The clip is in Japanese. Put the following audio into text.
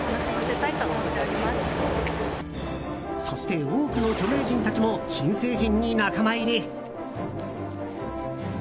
そして多くの著名人たちも新成人に仲間入り。